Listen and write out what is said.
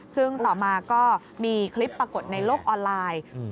ซึ่งต่อมาก็มีคลิปปรากฏในโลกออนไลน์